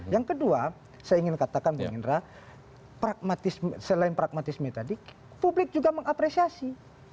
yang kedua saya ingin katakan bung indra selain pragmatisme tadi publik juga mengapresiasi